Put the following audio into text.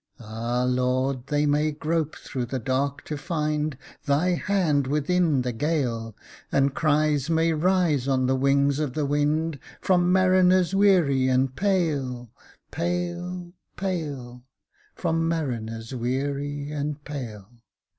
Ah, Lord! they may grope through the dark to find Thy hand within the gale; And cries may rise on the wings of the wind From mariners weary and pale, pale, pale From mariners weary and pale!